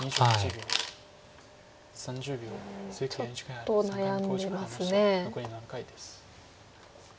ちょっと悩んでますね。